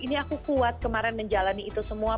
ini aku kuat kemarin menjalani itu semua